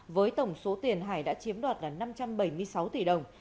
với tổng số tiền hải đã chiếm đoạt là năm trăm bảy mươi sáu tỷ đồng